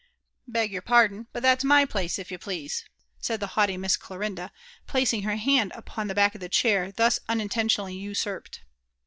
•*Beg your pardon, but that's my place, if you fdease/' said the haughty Miss vCJarinda^ pfacing her hand upon the back of the chair thus unintentionally usur{)ed.